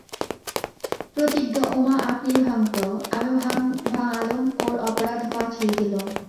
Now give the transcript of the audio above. প্রতিজ্ঞা উমা আপনিই ভাঙত, আমি ভাঙালুম, ওর অপরাধ বাঁচিয়ে দিলুম।